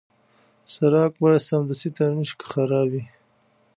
سړک باید سمدستي ترمیم شي که خراب وي.